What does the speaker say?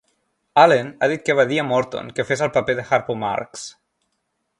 Allen ha dit que va dir a Morton que fes el paper de Harpo Marx.